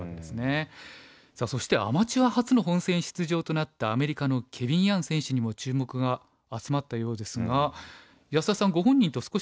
さあそしてアマチュア初の本戦出場となったアメリカのケビン・ヤン選手にも注目が集まったようですが安田さんご本人と少しお話しされたそうですね。